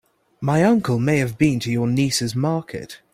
My uncle may have been to your niece's market.